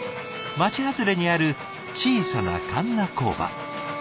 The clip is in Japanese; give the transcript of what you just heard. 町外れにある小さなかんな工場。